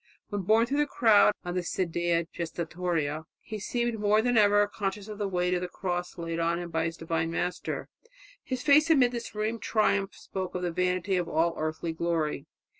When borne through the crowd in the sedia gestatoria he seemed more than ever conscious of the weight of the cross laid upon him by his divine Master. "His face amid the scene of triumph spoke of the vanity of all earthly glory.